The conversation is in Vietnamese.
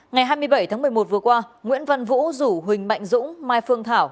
ngày hai mươi bảy tháng một mươi một vừa qua nguyễn văn vũ rủ huỳnh mạnh dũng mai phương thảo